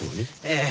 ええ。